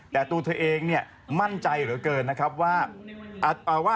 แต่ตัวเธอเองเนี่ยมั่นใจเหลือเกินนะครับว่า